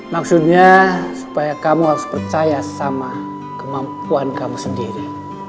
maksudnya supaya kamu harus percaya sama kemampuan kamu sendiri